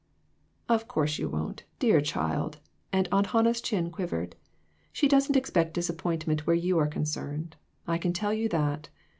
"Of course you won't, dear child," and Aunt Hannah's chin quivered. "She doesn't expect disappointment where you are concerned ; I can tell you that.